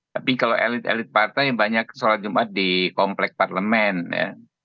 tapi kalau elit elit partai banyak sholat jumat di komplek parlemen ya